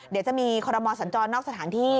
เดี๋ยวจะมีคอรมอสัญจรนอกสถานที่